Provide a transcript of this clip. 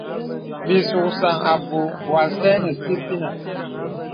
Bì suksan àbùù wɔ asə̀ nə sìpìnə.